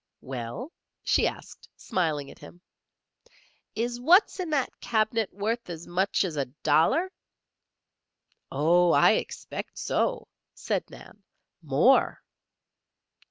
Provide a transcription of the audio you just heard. "Well?" she asked, smiling at him. "Is what's in that cabinet wuth as much as a dollar?" "Oh! I expect so," said Nan. "More."